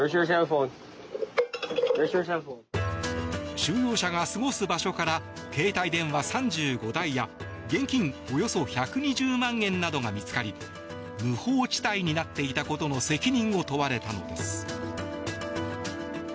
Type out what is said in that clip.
収容者が過ごす場所から携帯電話３５台や現金およそ１２０万円などが見つかり無法地帯になっていたことの責任を問われたのです。